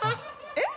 えっ？